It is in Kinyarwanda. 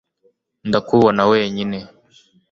ndakubona wenyine